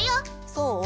そう？